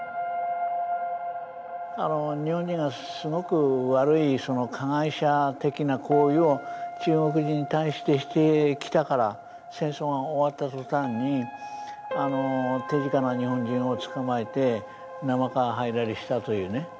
日本人がすごく悪い加害者的な行為を中国人に対してしてきたから戦争が終わった途端に手近な日本人を捕まえて生皮剥いだりしたというね。